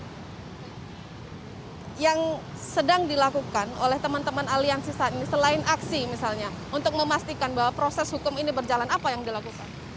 jadi apa yang sedang dilakukan oleh teman teman aliansi saat ini selain aksi misalnya untuk memastikan bahwa proses hukum ini berjalan apa yang dilakukan